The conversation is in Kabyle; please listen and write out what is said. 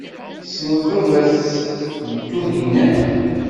Tessneḍ baba-s n Tunhinan.